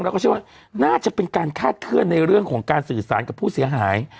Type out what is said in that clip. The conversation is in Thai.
แล้วก็เชื่อว่าน่าจะเป็นการคาดเคลื่อนในเรื่องของการสื่อสารกับผู้เสียหาย